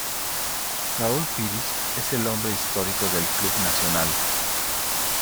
Raúl Piris es el hombre histórico del club Nacional.